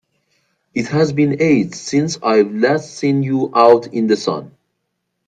It has been ages since I've last seen you out in the sun!